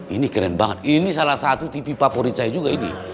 ini keren banget ini salah satu tv favorit saya juga ini